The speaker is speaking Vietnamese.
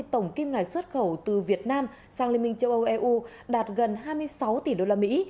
tổng kim ngạch xuất khẩu từ việt nam sang liên minh châu âu eu đạt gần hai mươi sáu tỷ đô la mỹ